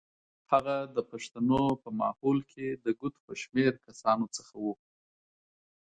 هغه د پښتنو په ماحول کې د ګوتو په شمېر کسانو څخه و.